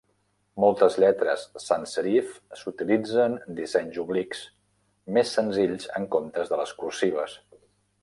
Moltes lletres sans-serif utilitzen dissenys oblics més senzills en comptes de les cursives.